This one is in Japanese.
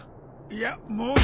いやもう。